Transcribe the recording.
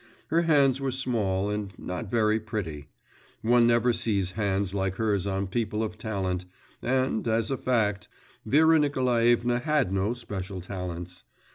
Her hands were small, and not very pretty; one never sees hands like hers on people of talent … and, as a fact, Vera Nikolaevna had no special talents.